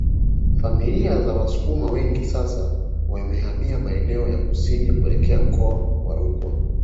Familia za Wasukuma wengi sana wamehamia maeneo ya kusini kuelekea mkoa wa Rukwa